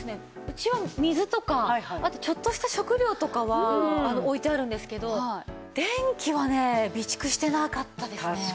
うちは水とかあとちょっとした食料とかは置いてあるんですけど電気はね備蓄してなかったですね。